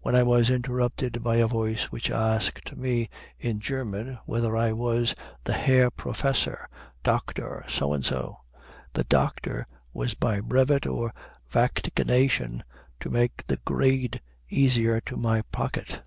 when I was interrupted by a voice which asked me in German whether I was the Herr Professor, Doctor, So and so? The "Doctor" was by brevet or vaticination, to make the grade easier to my pocket.